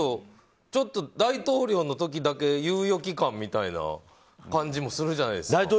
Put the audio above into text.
ちょっと大統領の時だけ猶予期間みたいな感じもするじゃないですか。